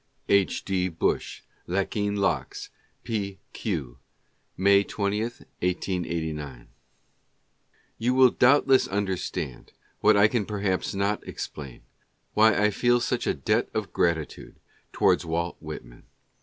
H. D. Bush: Lachine Locks, P. Q, May 20, 1889. You will doubtless understand, what I can perhaps not explain, why I feel such a debt of gratitude towards Walt Whitman.